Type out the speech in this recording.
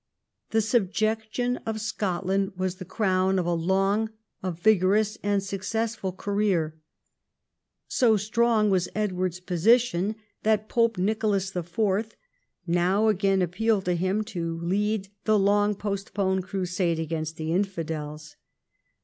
The subjection of Scotland was the crown of a long, a vigorous, and successful career. So strong was Edward's position that Pope Nicolas IV. now again appealed to him to lead the long postponed Crusade against the infidels.